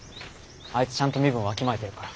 あいつちゃんと身分わきまえてるから。